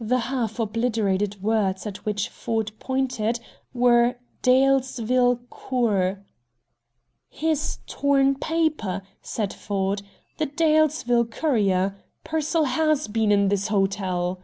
The half obliterated words at which Ford pointed were DALESVILLE COUR "His torn paper!" said Ford. "The DALESVILLE COURIER. Pearsall HAS been in this hotel!"